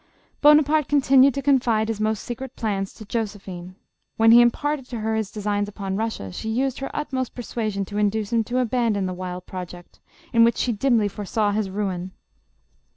Bonaparte continued to confide his most secret plans to Josephine. When he imparted to her his designs upon Russia, she used her utmost persuasion to induce him to abandon the wild project, in which she dimly foresaw his ruin.